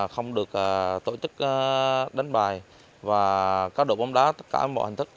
không được tổ chức đánh bài và các đội bóng đá tất cả mọi hành thức